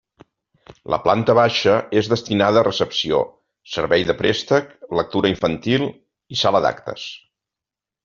La planta baixa és destinada a recepció, servei de préstec, lectura infantil i sala d’actes.